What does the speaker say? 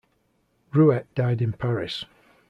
Ruwet died in Paris.